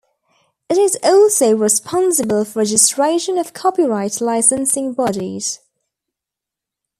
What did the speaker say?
It is also responsible for registration of copyright licensing bodies.